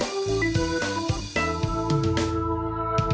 ภูนิสาค่ะมาใหม่เลยนะคะ